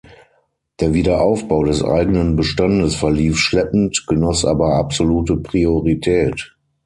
Der Wiederaufbau des eigenen Bestandes verlief schleppend, genoss aber absolute Priorität.